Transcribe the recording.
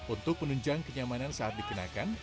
untuk menunjang kenyamanan saat dikenakan